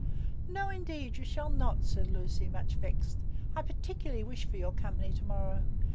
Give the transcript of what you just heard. "No, indeed, you shall not," said Lucy, much vexed. "I particularly wish for your company to morrow.